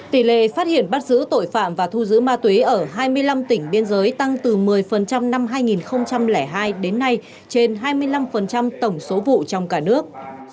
tỷ lệ phát hiện bắt giữ tội phạm và thu giữ ma túy ở hai mươi năm tỉnh biên giới tăng từ một mươi năm hai nghìn hai đến nay trên hai mươi năm tổng số vụ trong cả nước